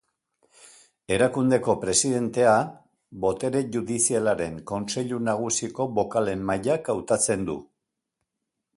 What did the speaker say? Erakundeko presidentea Botere Judizialaren Kontseilu Nagusiko bokalen mahaiak hautatzen du.